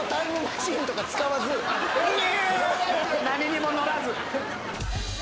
何にも乗らず。